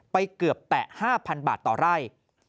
เกือบแต่๕๐๐๐บาทต่อไร่